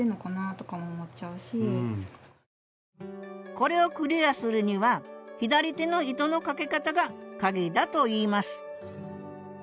これをクリアするには左手の糸のかけ方がカギだといいます